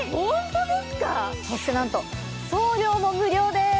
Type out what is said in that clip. そしてなんと送料も無料です。